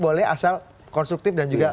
boleh asal konstruktif dan juga